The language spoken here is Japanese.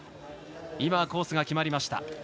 コースが決まりました。